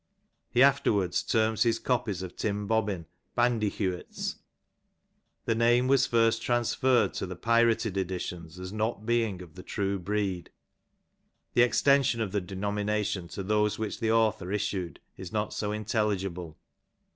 He afterwards terms his copies of Tim Bobbin " Bandyhewits ;'' the name was first transferred to the pirated editions as not being of the true breed ; the extension of the denomination to those which the author issued is not so intelligible.